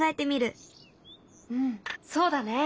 うんそうだね。